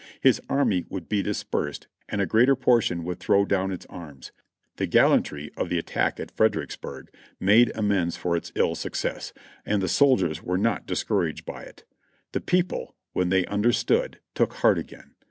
His army would be dis persed and a greater portion would throw down its arms. The gallantry of the attack at Fredericksburg made amends for its ill success, and the soldiers were not discouraged by it. The people, when they understood, took heart again.